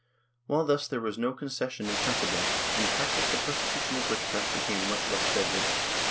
^ While thus there was no concession in principle, in practice the persecution of witchcraft became much less deadly.